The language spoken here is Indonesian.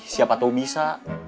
siapa tahu bisa